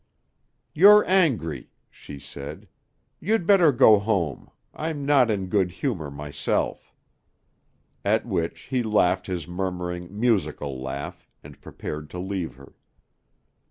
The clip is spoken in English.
"You're angry," she said. "You'd better go home. I'm not in good humor myself." At which he laughed his murmuring, musical laugh and prepared to leave her.